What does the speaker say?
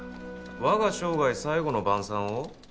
「我が生涯最後の晩餐」を？